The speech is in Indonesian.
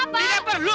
apa kamu baru kerja